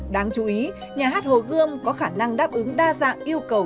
đáng chú ý nhà hát hồ gươm có khả năng đáp ứng đa dạng yêu cầu